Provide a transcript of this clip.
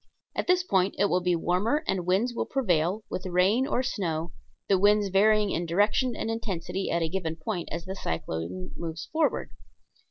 At this point it will be warmer and winds will prevail, with rain or snow, the winds varying in direction and intensity at a given point as the cyclone moves forward.